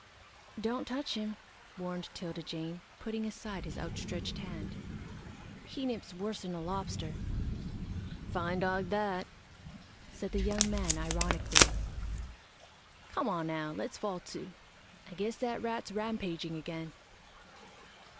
"Don't touch him," warned 'Tilda Jane, putting aside his outstretched hand. "He nips worse'n a lobster." "Fine dog that," said the young man, ironically. "Come on now, let's fall to. I guess that rat's rampaging again."